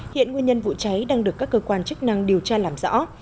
hiện nguyên nhân vụ cháy đang được các cơ quan chức năng điều tra làm rõ